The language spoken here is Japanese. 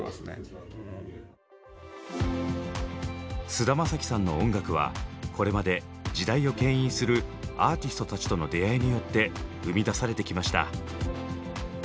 菅田将暉さんの音楽はこれまで時代を牽引するアーティストたちとの出会いによって生み出されてきました。